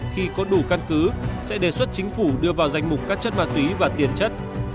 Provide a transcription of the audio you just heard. khi có đủ căn cứ sẽ đề xuất chính phủ đưa vào danh mục các chất ma túy và tiền chất